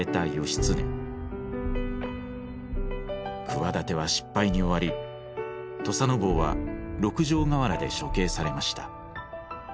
企ては失敗に終わり土佐坊は六条河原で処刑されました。